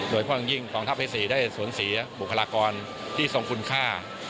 โดยเพราะอย่างยิ่งฟศศรีได้สวนศรีบุคลากรที่ทรงคุณค่า